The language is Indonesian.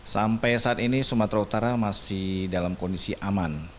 sampai saat ini sumatera utara masih dalam kondisi aman